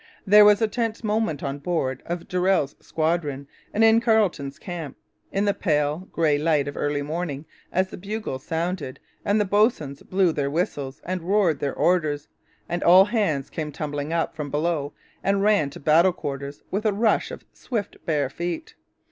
There was a tense moment on board of Durell's squadron and in Carleton's camp, in the pale, grey light of early morning, as the bugles sounded, the boatswains blew their whistles and roared their orders, and all hands came tumbling up from below and ran to battle quarters with a rush of swift bare feet.